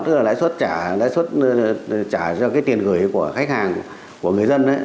tức là lãi suất trả cho cái tiền gửi của khách hàng của người dân ấy